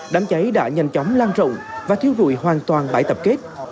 đám cháy đã nhanh chóng lan rộng và thiêu rụi hoàn toàn bãi tập kết